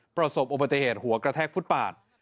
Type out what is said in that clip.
ประสบอุบัติเหตุหัวกระแทกฟุตปาด